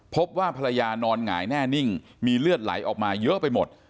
พบว่าภรรยานอนหงายแน่นิ่งมีเลือดไหลออกมาเยอะไปหมด